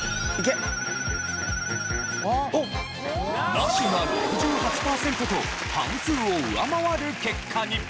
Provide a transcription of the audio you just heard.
ナシが６８パーセントと半数を上回る結果に。